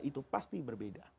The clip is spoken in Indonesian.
itu pasti berbeda